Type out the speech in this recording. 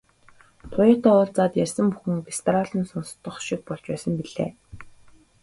Туяатай уулзаад ярьсан бүхэн дэс дараалан сонстох шиг болж байсан билээ.